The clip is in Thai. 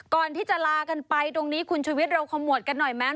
ก่อนที่จะลากันไปตรงนี้คุณชุวิตเราขมวดกันหน่อยไหม